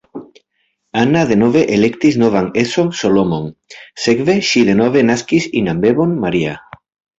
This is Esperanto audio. Anna denove elektis novan edzon Solomon, sekve ŝi denove naskis inan bebon Maria.